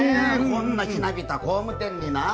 こんなひなびた工務店にな。